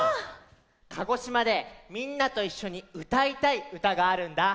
鹿児島でみんなといっしょにうたいたいうたがあるんだ。